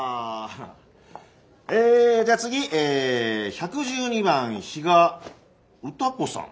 えじゃあ次１１２番比嘉歌子さん。